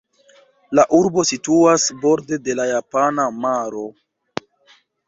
La urbo situas borde de la Japana maro.